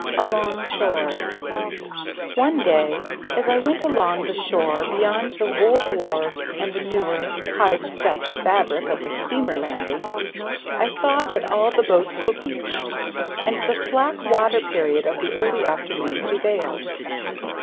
Along Shore ONE DAY as I went along the shore beyond the old wharves and the newer, high stepped fabric of the steamer landing, I saw that all the boats were beached, and the slack water period of the early afternoon prevailed.